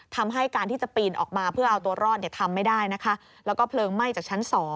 ทำให้การที่จะปีนออกมาเพื่อเอาตัวรอดทำไม่ได้นะคะแล้วก็เพลิงไหม้จากชั้น๒